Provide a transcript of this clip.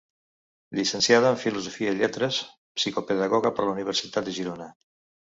Llicenciada en Filosofia i Lletres i psicopedagoga per la Universitat de Girona.